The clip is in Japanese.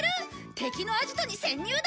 敵のアジトに潜入だ！